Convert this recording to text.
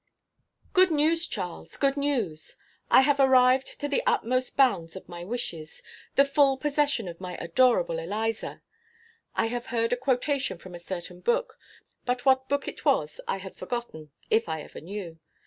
Good news, Charles, good news! I have arrived to the utmost bounds of my wishes the full possession of my adorable Eliza. I have heard a quotation from a certain book, but what book it was I have forgotten, if I ever knew.